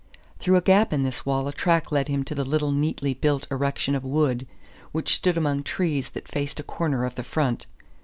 Through a gap in this wall a track led him to the little neatly built erection of wood, which stood among trees that faced a corner of the front.